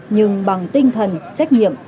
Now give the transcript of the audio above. nhưng bằng tinh thần trách nhiệm